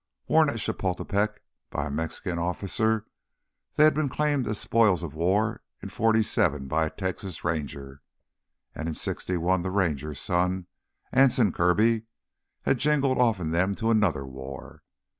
Worn at Chapultepec by a Mexican officer, they had been claimed as spoils of war in '47 by a Texas Ranger. And in '61 the Ranger's son, Anson Kirby, had jingled off in them to another war.